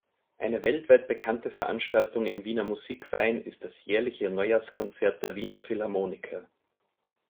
Eine weltweit bekannte Veranstaltung im Wiener Musikverein ist das jährliche Neujahrskonzert der Wiener Philharmoniker.